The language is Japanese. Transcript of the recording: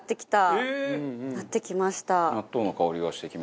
納豆の香りがしてきました。